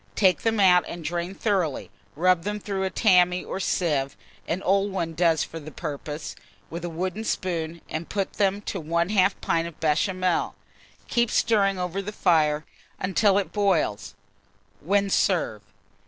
Take them out and drain thoroughly; rub them through a tammy or sieve (an old one does for the purpose) with a wooden spoon, and put them to 1/2 pint of Béchamel; keep stirring over the fire until it boils, when serve.